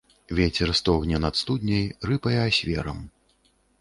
Вецер стогне над студняй, рыпае асверам.